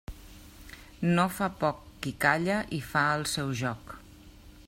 No fa poc qui calla i fa el seu joc.